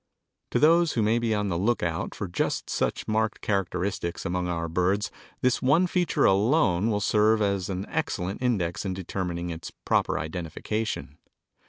To those who may be on the lookout for just such marked characteristics among our birds this one feature alone will serve as an excellent index in determining its proper identification.